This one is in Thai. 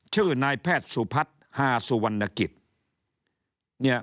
ชื่อนายแพทย์สุพัฒน์ฮาสุวรรณกิจเนี่ย